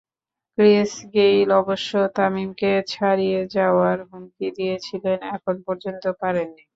Chris Gayle অবশ্য তামিমকে ছাড়িয়ে যাওয়ার হুমকি দিয়েছিলেন, এখন পর্যন্ত পারেননি।